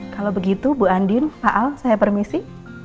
kalau begitu bu andien pak aldebaran saya permisi